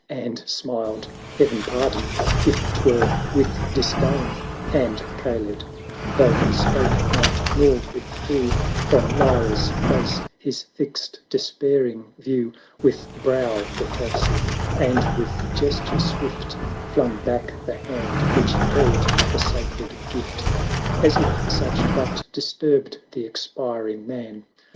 And smiled — Heaven pardon ! if 'tvv'ere with disdain: And Kaled, though he spoke not, nor withdrew From Lara's face his fixed despairing view. With brow repulsive, and with gesture swift, Flung back the hand which held the sacred gift, 1130 As if such but disturbed the expiring man.